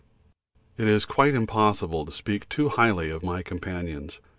It is quite impossible to speak too highly of my companions.